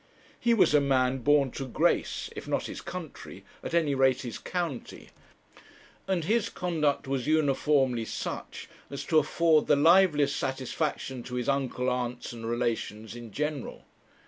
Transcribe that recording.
He was a man born to grace, if not his country, at any rate his county; and his conduct was uniformly such as to afford the liveliest satisfaction to his uncles, aunts, and relations in general.